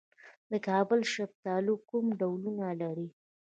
د کابل شفتالو کوم ډولونه لري؟